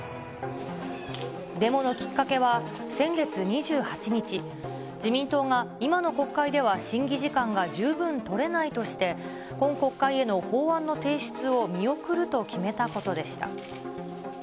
デモのきっかけは、先月２８日、自民党が今の国会では審議時間が十分取れないとして、今国会への法案の提出を見送ると決めたことでした。